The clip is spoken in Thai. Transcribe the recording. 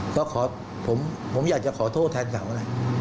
ก็ขอผมอยากจะขอโทษแทนเขานะ